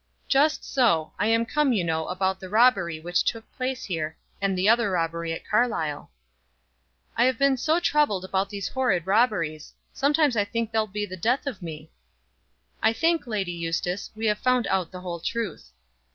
"Just so; I am come, you know, about the robbery which took place here, and the other robbery at Carlisle." "I have been so troubled about these horrid robberies! Sometimes I think they'll be the death of me." "I think, Lady Eustace, we have found out the whole truth."